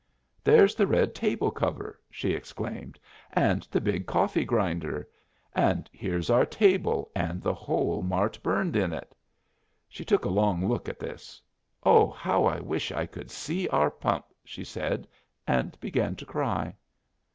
"There's the red table cover!" she exclaimed, "and the big coffee grinder. And there's our table, and the hole Mart burned in it." She took a long look at this. "Oh, how I wish I could see our pump!" she said, and began to cry.